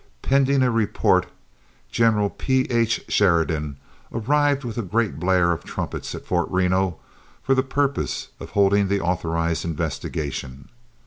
Pending a report, General P.H. Sheridan arrived with a great blare of trumpets at Fort Reno for the purpose of holding the authorized investigation.